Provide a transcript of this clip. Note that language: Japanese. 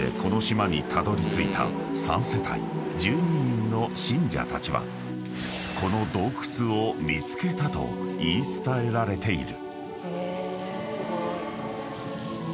［３世帯１２人の信者たちはこの洞窟を見つけたと言い伝えられている］